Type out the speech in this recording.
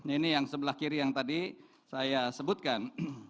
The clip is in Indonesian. ini yang sebelah kiri yang tadi saya sebutkan